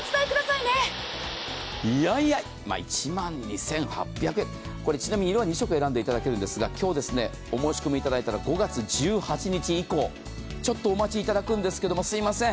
いやいや、１万２８００円、ちなみにいろは２色選んでいただけるんですが今日、お申し込みいただいたら５月以降、ちょっとお待ちいただくんですけど、すみません。